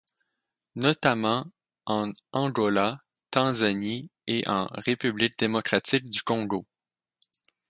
Notamment en Angola, Tanzanie et en République démocratique du Congo.